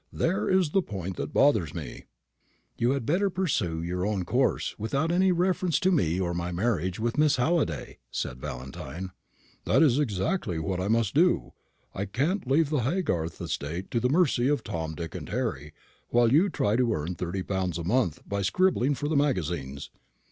There is the point that bothers me." "You had better pursue your own course, without reference to me or my marriage with Miss Halliday," said Valentine. "That is exactly what I must do. I can't leave the Haygarth estate to the mercy of Tom, Dick, and Harry, while you try to earn thirty pounds a month by scribbling for the magazines.